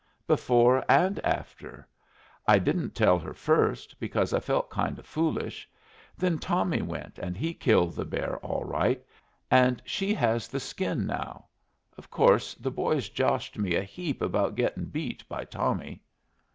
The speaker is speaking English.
"Before and after. I didn't tell her first, because I felt kind of foolish. Then Tommy went and he killed the bear all right, and she has the skin now. Of course the boys joshed me a heap about gettin' beat by Tommy."